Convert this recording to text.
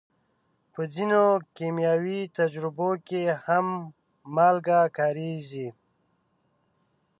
په ځینو کیمیاوي تجربو کې هم مالګه کارېږي.